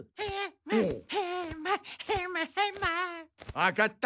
わかった。